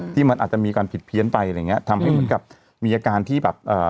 ที่มันอาจจะมีการผิดเพี้ยนไปอะไรอย่างเงี้ยทำให้เหมือนกับมีอาการที่แบบเอ่อ